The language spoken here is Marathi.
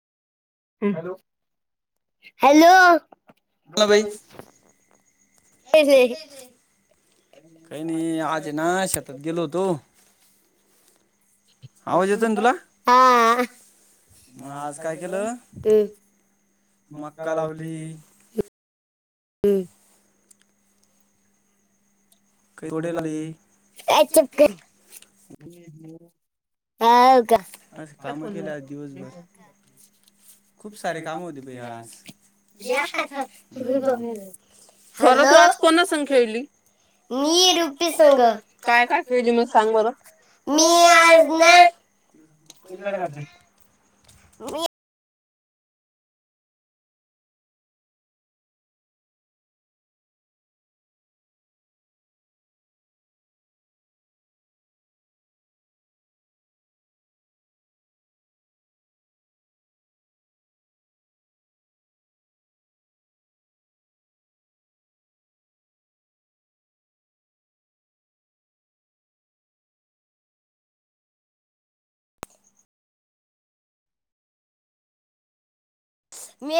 हॅलो, हॅलो बोला बाई. तेझे [unintelligible] मक्का लावती ही हम्म! [inaudible] हा कर [inaudible] स्वरा तु आज कोणासंग खेळली? मीरुपी संग काय काय दाखिवली सांग बर. मी आज ना मी